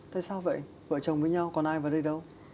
tại sao vậy vợ chồng với nhau còn ai vào đây đâu